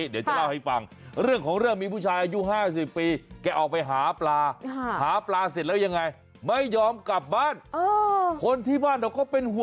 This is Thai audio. ได้คู่กับสมัครข่าว